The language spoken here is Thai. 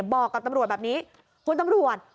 บอกกับตำรวจแบบนี้คุณตำรวจ